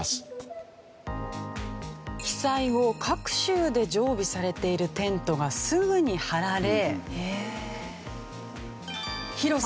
被災後各州で常備されているテントがすぐに張られ。